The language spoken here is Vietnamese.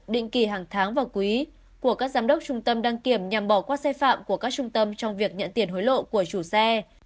định kỳ hàng tháng và quý của các giám đốc trung tâm đăng kiểm nhằm bỏ qua xe phạm của các trung tâm trong việc nhận tiền hối lộ của chủ xe